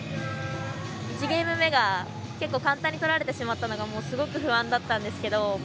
１ゲーム目が結構簡単に取られてしまったのがもうすごく不安だったんですけど。